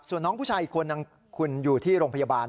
ส่วนน้องผู้ชายอีกคนนึงคุณอยู่ที่โรงพยาบาล